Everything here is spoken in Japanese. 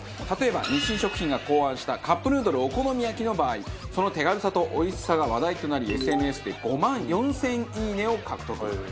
例えば日清食品が考案したカップヌードルお好み焼の場合その手軽さとおいしさが話題となりＳＮＳで５万４０００「いいね」を獲得。